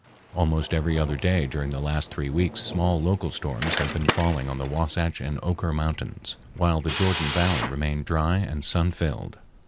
Almost every other day during the last three weeks small local storms have been falling on the Wahsatch and Oquirrh Mountains, while the Jordan Valley remained dry and sun filled.